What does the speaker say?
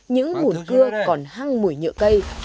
những mùn cưa còn hăng mùi nhựa cây